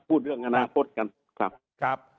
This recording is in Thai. พูดเรื่องอนาคตกันครับ